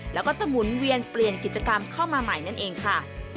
แล้วก็จะหมุนเวียนเปลี่ยนกิจกรรมเข้ามาใหม่นั่นเองค่ะ